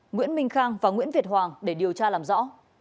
nguyễn minh khang và nguyễn việt hoàng để điều tra làm rõ